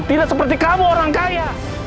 tidak seperti kamu orang kaya